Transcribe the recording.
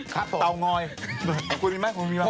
ครับผมเตางอยคุณมีไหมคุณมีไหม